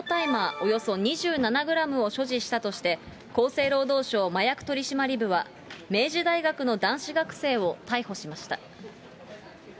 およそ２７グラムを所持したとして、厚生労働省麻薬取締部は、明治大学の男子学生を逮捕しました。